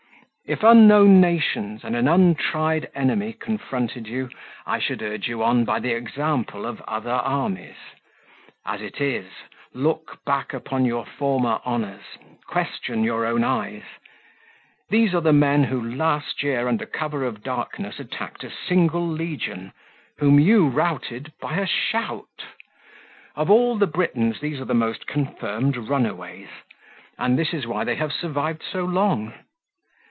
34 "If unknown nations and an untried enemy confronted you, I should urge you on by the example of other armies. As it is, look back upon your former honours, question your own eyes. These are the men who last year under cover of darkness attacked a single legion, whom you routed by a shout. Of all the Britons these are the most confirmed runaways, and this is why they have survived so long.